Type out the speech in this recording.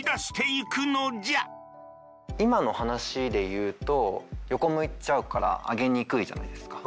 今の話で言うと横向いちゃうからあげにくいじゃないですか。